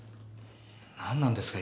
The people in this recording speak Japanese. なんなんですか？